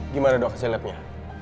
gimana dok kecelebnya